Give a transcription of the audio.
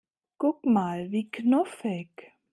Guck mal, wie knuffig!